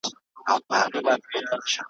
په مشاعره کي دیکلمه کړی دی `